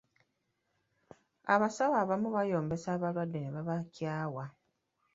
Abasawo abamu bayombesa abalwadde ne babakyawa.